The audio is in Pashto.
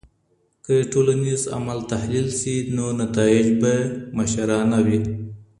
که ټولنیز عمل تحلیل سي، نو نتایج به مشرانه وي.